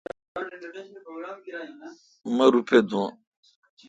مہ روپہ دوں۔